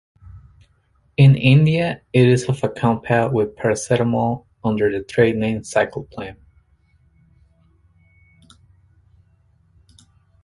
In India, it is of a compound with paracetamol under the trade name Cyclopam.